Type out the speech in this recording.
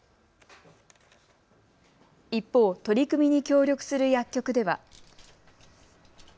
一方、取り組みに協力する薬局では。